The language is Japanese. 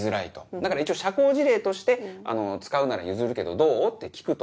だから一応社交辞令として「使うなら譲るけどどう？」って聞くと。